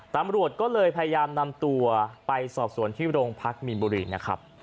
ตำรวจก็เลยพยายามนำตัวไปสอบสวนที่โรงพักมีนบุรีนะครับ